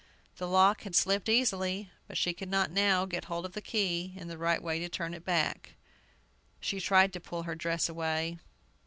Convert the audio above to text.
The lock had slipped easily, but she could not now get hold of the key in the right way to turn it back. She tried to pull her dress away.